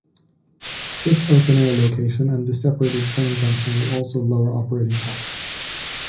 This open air location and the separated train junction will also lower operating costs.